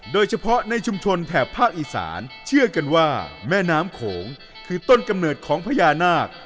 โดยเฉพาะในชุมชนแถบภาคอีสานเชื่อกันว่าแม่น้ำโขงคือต้นกำเนิดของพญานาค